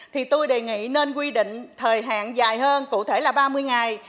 thì tôi đề nghị nên quy định thời hạn dài hơn cụ thể là ba mươi ngày